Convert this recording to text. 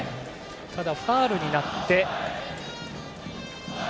ただ、ファウルになって。